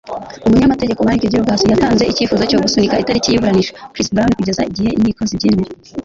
Umunyamategeko Mark Geragos yatanze icyifuzo cyo gusunika itariki y'iburanisha Chris Brown kugeza igihe inkiko zibyemerera.